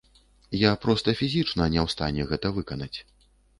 Я проста фізічна не ў стане гэта выканаць.